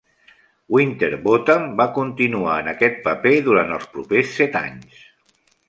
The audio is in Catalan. Winterbotham va continuar en aquest paper durant els propers set anys.